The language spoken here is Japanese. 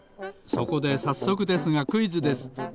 そこでさっそくですがクイズです。